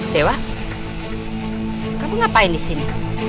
dewa kamu ngapain di sini